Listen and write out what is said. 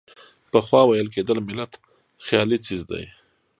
پخوا ویل کېدل ملت خیالي څیز دی.